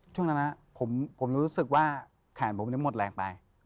ช่วงนั้นผมรู้สึกว่าแขนผมจะหมดแรงไป